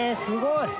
すごい！